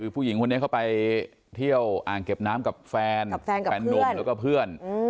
ผู้หญิงไปเที่ยวเอางเก็บน้ำกับแฟนแผนหนุ่มแล้วก็เพื่อน